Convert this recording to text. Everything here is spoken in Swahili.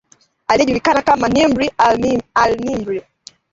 aliyejulikana kama Nimr alNimr